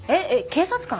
警察官！？